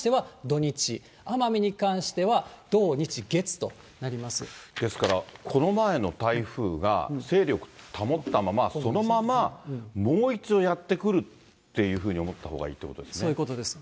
沖縄に関しては、土日、ですから、この前の台風が勢力保ったまま、そのままもう一度やって来るっていうふうに思ったほうがいいといそういうことです。